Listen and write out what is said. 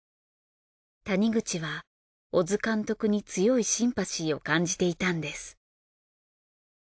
谷口は小津監督に強いシンパシーを感じていたんです。